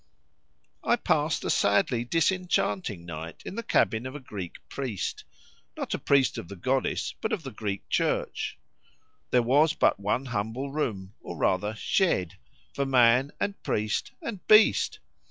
I passed a sadly disenchanting night in the cabin of a Greek priest—not a priest of the goddess, but of the Greek Church; there was but one humble room, or rather shed, for man, and priest, and beast.